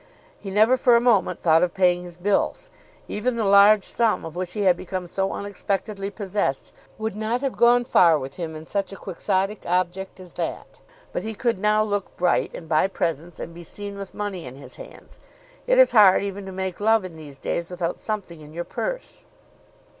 He never for a moment thought of paying his bills. Even the large sum of which he had become so unexpectedly possessed would not have gone far with him in such a quixotic object as that; but he could now look bright, and buy presents, and be seen with money in his hands. It is hard even to make love in these days without something in your purse.